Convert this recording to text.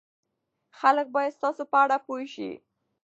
خلک باید ستاسو په اړه پوه شي.